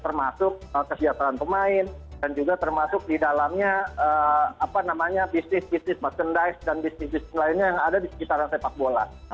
termasuk kesejahteraan pemain dan juga termasuk di dalamnya bisnis bisnis merchandise dan bisnis bisnis lainnya yang ada di sekitaran sepak bola